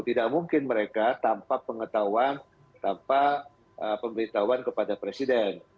tidak mungkin mereka tanpa pengetahuan tanpa pemberitahuan kepada presiden